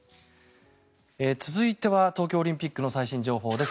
続いては東京オリンピックの最新情報です。